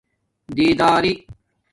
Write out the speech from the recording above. دِیداری